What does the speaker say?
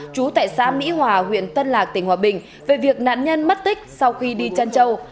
chú tại xã mỹ hòa huyện tân lạc tỉnh hòa bình về việc nạn nhân mất tích sau khi đi chăn châu